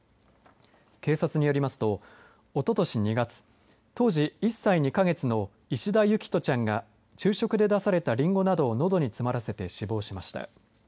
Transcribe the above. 警察によりますとおととし２月、当時１歳２か月の石田進人ちゃんが昼食で出された、りんごなどをのどに詰まらせて死亡しました。